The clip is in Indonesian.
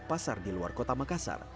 pasar di luar kota makassar